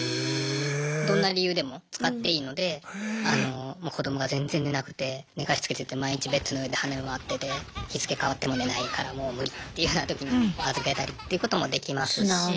どんな理由でも使っていいので子どもが全然寝なくて寝かしつけてて毎日ベッドの上で跳ね回ってて日付変わっても寝ないからもう無理っていうようなときに預けたりっていうこともできますし。